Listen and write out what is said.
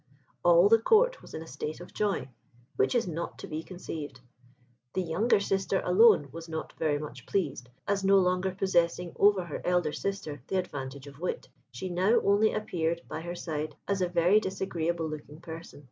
All the Court was in a state of joy which is not to be conceived. The younger sister alone was not very much pleased, as no longer possessing over her elder sister the advantage of wit, she now only appeared, by her side, as a very disagreeable looking person.